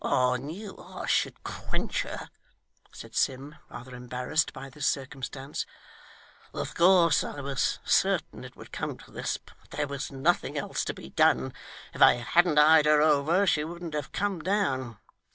'I knew I should quench her,' said Sim, rather embarrassed by this circumstance. 'Of course I was certain it would come to this, but there was nothing else to be done if I hadn't eyed her over, she wouldn't have come down.